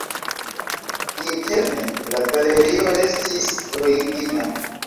Interne la galerio restis origina.